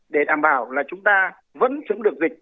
để đảm bảo là chúng ta vẫn chống được dịch